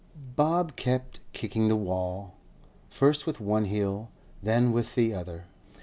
Bob kept kicking the wall, first with one heel, then with the other.